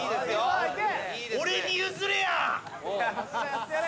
俺に譲れや！